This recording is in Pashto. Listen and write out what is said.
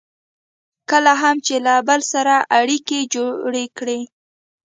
کله هم چې له بل سره اړیکې جوړې کړئ.